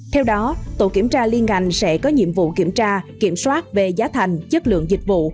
theo đó tổ kiểm tra liên ngành sẽ có nhiệm vụ kiểm tra kiểm soát về giá thành chất lượng dịch vụ